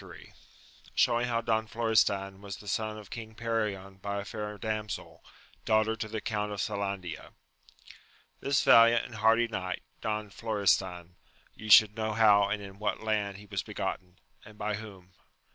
— Showing how Don Florestan was the son of King Perion bj a fair damsel, daughter to the Count of Sahmdia. I HIS valia^at and hardy knight, Don Florestan, you should know how and in what land he was begotten, and by whom.